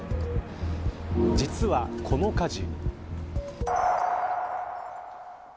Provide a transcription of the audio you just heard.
実はこの火事。